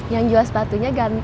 yang jual sepatunya ganteng